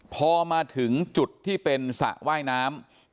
พอมาถึงจุดที่เป็นสระว่ายน้ำ